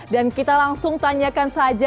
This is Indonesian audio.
dan kita langsung tanyakan saja